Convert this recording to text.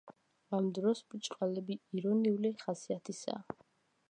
ამ დროს ბრჭყალები ირონიული ხასიათისაა.